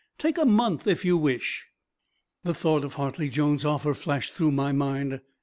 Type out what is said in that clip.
Take a month if you wish." The thought of Hartley Jones' offer flashed through my mind.